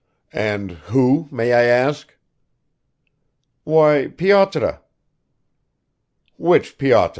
"And who, may I ask?" "Why, Pyotr." "Which Pyotr?"